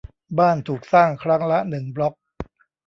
บ้านถูกสร้างครั้งละหนึ่งบล๊อก